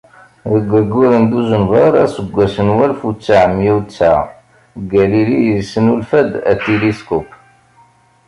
Deg awayyur n dujenber, aseggas n walef u settemya u tesεa, Galili isnulfa-d atiliskup.